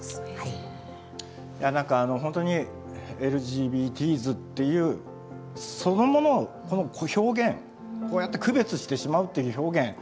いやなんかほんとにＬＧＢＴｓっていうそのものをこの表現こうやって区別してしまうっていう表現